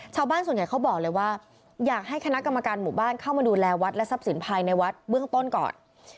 ชาวบ้านส่วนใหญ่เขาบอกเลยว่าอยากให้คณะกรรมการหมู่บ้านเข้ามาดูแลวัดและทรัพย์สินภายในวัดเบื้องต้นก่อน